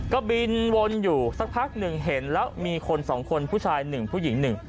ก็บินวนอยู่สักพักหนึ่งเห็นแล้วมีคนสองคนผู้ชายหนึ่งผู้หญิงหนึ่ง